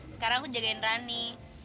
sekarang aku jagain rani